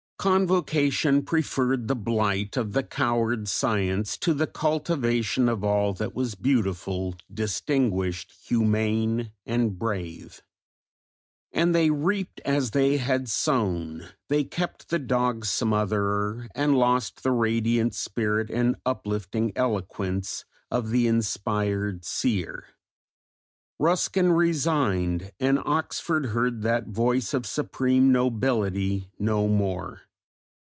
Convocation preferred the blight of the coward Science to the cultivation of all that was beautiful, distinguished, humane, and brave; and they reaped as they had sown, they kept the dog smotherer and lost the radiant spirit and uplifting eloquence of the inspired seer. Ruskin resigned and Oxford heard that voice of supreme nobility no more.